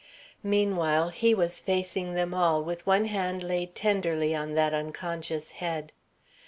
Meanwhile, he was facing them all, with one hand laid tenderly on that unconscious head.